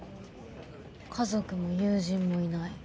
家族も友人もいない。